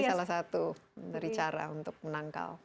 ini salah satu dari cara untuk menangkal